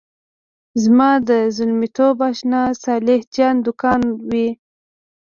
زما د زلمیتوب آشنا صالح جان دوکان کوي.